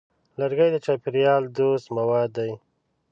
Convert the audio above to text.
لرګی د چاپېریال دوست مواد دی.